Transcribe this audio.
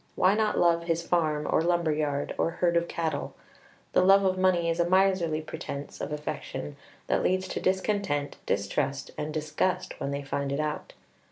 Why not love his farm, or lumber yard, or herd of cattle? The love of money is a miserly pretence of affection that leads to discontent, distrust, and disgust when they find it out.